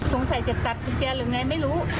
สงสัยจะตัดแก่อะไรไงไม่รู้